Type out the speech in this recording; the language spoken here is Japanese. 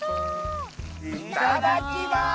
いただきます！